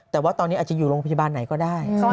แต่ว่าตอนนี้อาจจะอยู่โรงพยาบาลไหนก็ได้